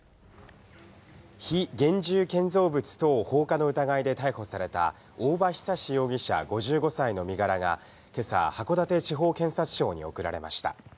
非現住建造物等放火の疑いで逮捕された、大場久司容疑者５５歳の身柄がけさ、函館地方検察庁に送られました。